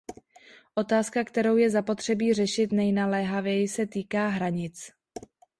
Otázka, kterou je zapotřebí řešit nejnaléhavěji, se týká hranic.